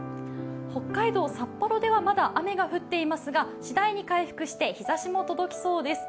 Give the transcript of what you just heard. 北海道・札幌ではまだ雨が降っていますがしだいに回復して、日ざしも届きそうです。